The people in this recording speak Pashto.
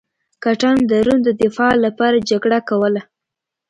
ګاټانو د روم د دفاع لپاره جګړه کوله.